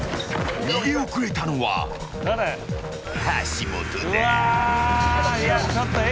逃げ遅れたのは橋本だ。